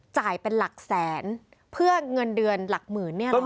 จ่ายเป็นหลักแสนเพื่อเงินเดือนหลักหมื่น